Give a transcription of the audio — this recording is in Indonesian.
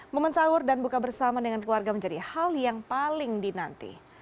momen sahur dan buka bersama dengan keluarga menjadi hal yang paling dinanti